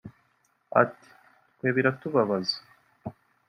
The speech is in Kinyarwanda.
Ati “Twe biratubabaza